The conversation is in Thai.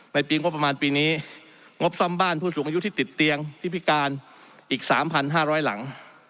ปีงบประมาณปีนี้งบซ่อมบ้านผู้สูงอายุที่ติดเตียงที่พิการอีก๓๕๐๐หลัง